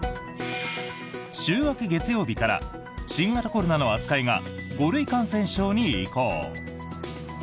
週明け月曜日から新型コロナの扱いが５類感染症に移行。